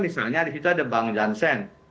misalnya di situ ada bang jansen